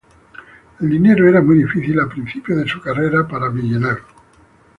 El dinero era muy difícil a principios de su carrera para Villeneuve.